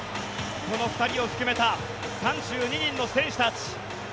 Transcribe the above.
この２人を含めた３２人の選手たち。